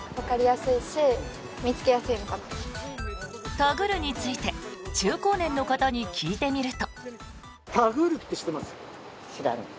タグるについて中高年の方に聞いてみると。